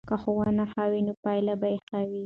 که ښوونه ښه وي نو پایله به ښه وي.